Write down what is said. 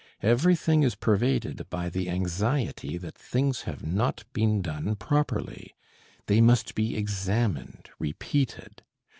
Everything is pervaded by the anxiety that things have not been done properly; they must be examined, repeated.